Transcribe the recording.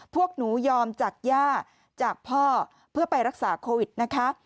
พวกหนูยอมจากย่าจากพ่อเพื่อไปรักษาโควิดนะคะ